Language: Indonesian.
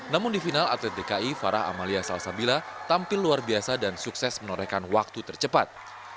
namun di final atlet dki farah amalia salsabila tampil luar biasa dan sukses menorehkan waktu tercepat